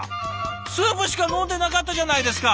スープしか飲んでなかったじゃないですか！